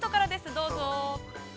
どうぞ。